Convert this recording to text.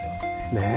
ねえ。